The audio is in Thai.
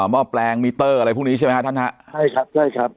ห้อแปลงมิเตอร์อะไรพวกนี้ใช่ไหมฮะท่านฮะใช่ครับใช่ครับ